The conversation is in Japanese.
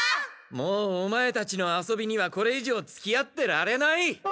もうオマエたちの遊びにはこれいじょうつきあってられない！